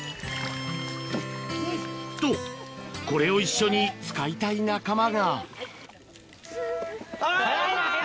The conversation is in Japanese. とこれを一緒に使いたい仲間があ！